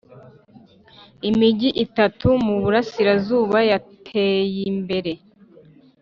imigi itatu mu burasirazuba yateyimbere.